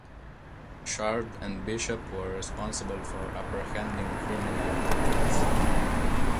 Shard and Bishop were responsible for apprehending criminal mutants.